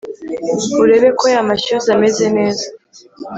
urebe ko yamashyuza ameze neza